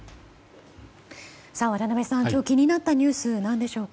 渡辺さん、今日気になったニュース何でしょうか。